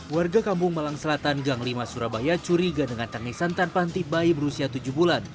warga kampung malang selatan gang lima surabaya curiga dengan tangisan tanpa henti bayi berusia tujuh bulan